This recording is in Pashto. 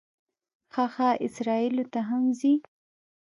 ښه ښه، اسرائیلو ته هم ځې.